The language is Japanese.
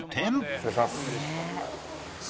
失礼します。